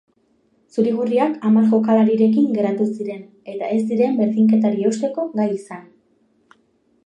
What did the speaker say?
Zuri-gorriak hamar jokalarirekin geratu ziren, eta ez ziren berdinketari eusteko gai izan.